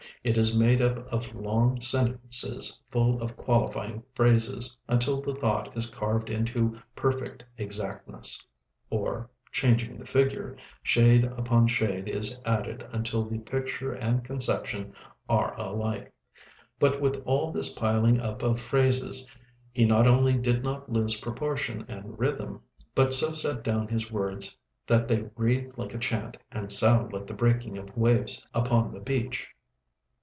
It is made up of long sentences full of qualifying phrases until the thought is carved into perfect exactness; or changing the figure shade upon shade is added until the picture and conception are alike. But with all this piling up of phrases, he not only did not lose proportion and rhythm, but so set down his words that they read like a chant and sound like the breaking of waves upon the beach.